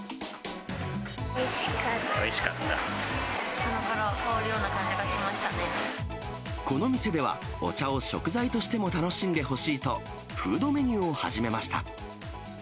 鼻から香るような感じがしまこの店では、お茶を食材としても楽しんでほしいと、フードメニューを始めました。